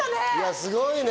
すごいね。